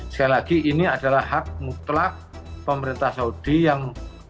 sekali lagi ini adalah hak mutlak pemerintah saudi yang